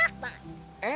lo ngerti kan maksud gue